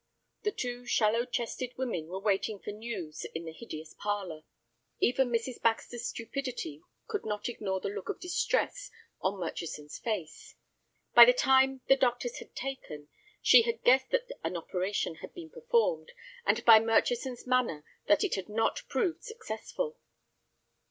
The two shallow chested women were waiting for news in the hideous parlor. Even Mrs. Baxter's stupidity could not ignore the look of distress on Murchison's face. By the time the doctors had taken, she guessed that an operation had been performed, and by Murchison's manner that it had not proved successful.